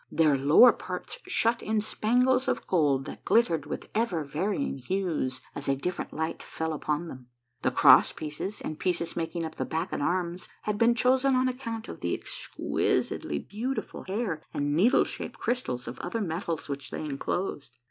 Their low^er parts shut in spangles of gold that glittered with ever varying hues as a different light fell upon them. The cross pieces and A J/AJiVE7.L0[/S UNDERGROUND JOURNEY 55 pieces making up the back and arms had been chosen on account of the exquisitely beautiful hair and needle shaped crystals of other metals which they enclosed.